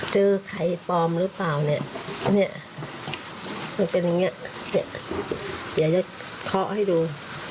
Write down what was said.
เจอไข่ปลอมหรือเปล่าเนี่ยมันเป็นแบบนี้เดี๋ยวเข้าให้ดู